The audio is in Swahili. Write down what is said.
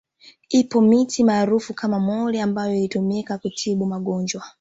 Ipo miti maarufu kama mwori ambayo ilitumika kutibu magonjwa